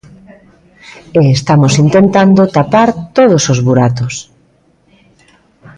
E estamos intentando tapar todos os buratos.